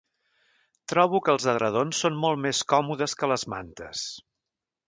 Trobo que els edredons són molt més còmodes que les mantes